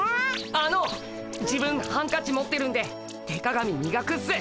あの自分ハンカチ持ってるんで手鏡みがくっす。